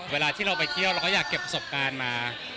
เวลาที่เราไปเที่ยวเราก็อยากเก็บประสบการณ์มา